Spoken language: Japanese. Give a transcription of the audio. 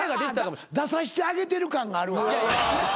出さしてあげてる感があるわ。